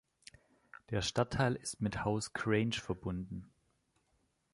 Der Stadtteil ist mit Haus Crange verbunden.